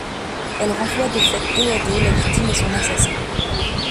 Elle renvoie de fait dos à dos la victime et son assassin.